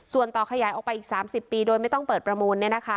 ส่วนต่อขยายออกไปอีก๓๐ปีโดยไม่ต้องเปิดประมูล